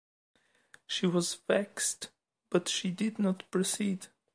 She was vexed, but she did not proceed.